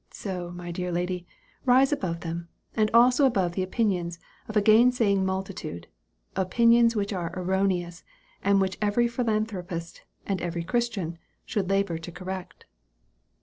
So, my dear lady, rise above them; and also above the opinions of a gainsaying multitude opinions which are erroneous, and which every philanthropist, and every Christian, should labor to correct."